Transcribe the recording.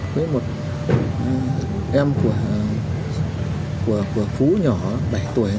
với một em của phú nhỏ bảy tuổi